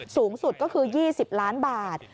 สูงสุดก็คือ๒๐ล้านบาท